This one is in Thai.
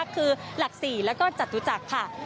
คือหลักศรีและก็จัตรุจักรค่ะ